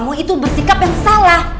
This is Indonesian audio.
kamu itu bersikap yang salah